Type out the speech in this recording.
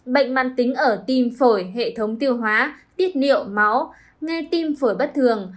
bệnh mạn tính ở tim phổi hệ thống tiêu hóa tiết niệu máu ngay tim phổi bất thường